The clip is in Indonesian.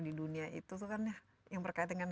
di dunia itu kan yang berkait dengan